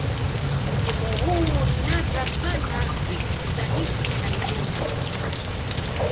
Mfumo huu ni nadra sana siku za hivi karibuni.